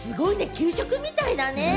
給食みたいだね。